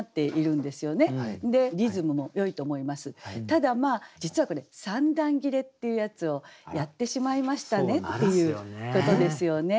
ただ実はこれ三段切れっていうやつをやってしまいましたねっていうことですよね。